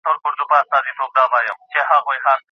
ټولګي تمرین څنګه د زده کړي پوهه زیاتوي؟